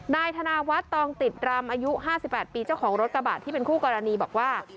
นายธนาวัฒน์ตองติดรำอายุ๕๘ปีเจ้าของรถกระบะที่เป็นคู่กรณีบอกว่า